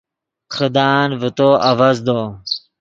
خدان ڤے تو آڤزدو